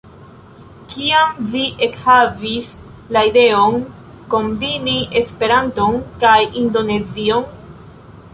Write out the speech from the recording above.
Kiam vi ekhavis la ideon kombini Esperanton kaj Indonezion?